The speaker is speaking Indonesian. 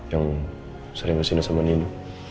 yang sering kesini sama nindu